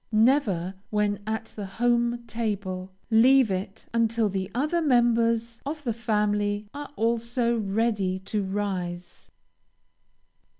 Never, when at the home table, leave it until the other members of the family are also ready to rise.